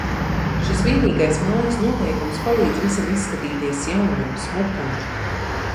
Šis vienīgais mājas noteikums palīdz visam izskatīties jaunam, smukam.